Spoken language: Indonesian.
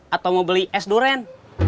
atau mau beli es durian